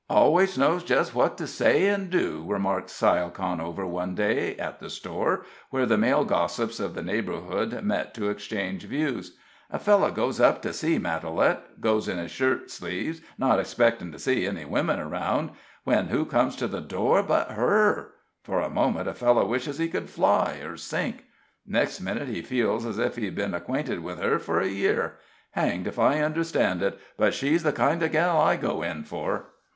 "Always knows just what to say and do," remarked Syle Conover, one day, at the store, where the male gossips of the neighborhood met to exchange views. "A fellow goes up to see Matalette goes in his shirt sleeves, not expectin' to see any women around when who comes to the door but her. For a minute a fellow wishes he could fly, or sink; next minute he feels as if he'd been acquainted with her for a year. Hanged if I understand it, but she's the kind of gal I go in fur!"